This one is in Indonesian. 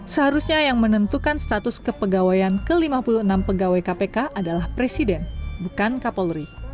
seharusnya yang menentukan status kepegawaian ke lima puluh enam pegawai kpk adalah presiden bukan kapolri